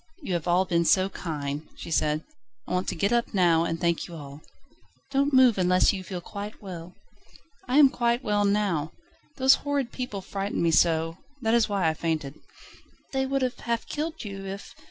"You have all been so kind," she said, "I want to get up now and thank you all." "Don't move unless you feel quite well." "I am quite well now. Those horrid people frightened me so, that is why I fainted." "They would have half killed you, if